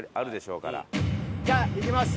じゃあいきます。